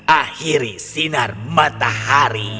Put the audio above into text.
akhiri sinar matahari